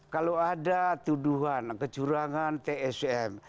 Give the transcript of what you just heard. kalau ada tuduhan kecurangan tsm